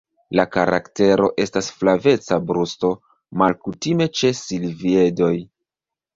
La karaktero estas flaveca brusto malkutime ĉe silviedoj.